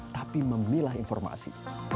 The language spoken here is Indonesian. tapi memilah informasi